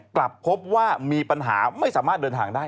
กลับพบว่ามีปัญหาไม่สามารถเดินทางได้